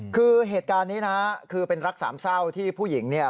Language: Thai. คือเหตุการณ์นี้นะคือเป็นรักสามเศร้าที่ผู้หญิงเนี่ย